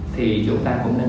thì chúng ta cũng nên